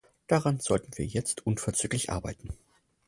Daran sollten wir jetzt unverzüglich arbeiten.